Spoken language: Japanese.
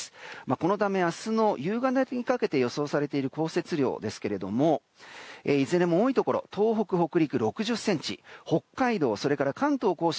このため明日の夕方にかけて予想される降雪量ですがいずれも多いところ東北、北陸６０ｃｍ北海道、関東・甲信